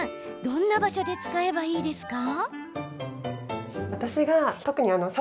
どんな場所で使えばいいですか？